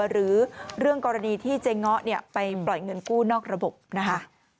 หรือเรื่องกรณีที่เจ๊ง้อไปปล่อยเงินกู้นอกระบบนะคะ